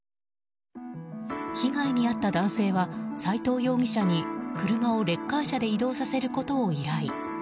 被害に遭った男性は斉藤容疑者に車をレッカー車で移動させることを依頼。